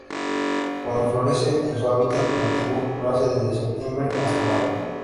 Cuando florece en su hábitat nativo, lo hace desde septiembre hasta mayo.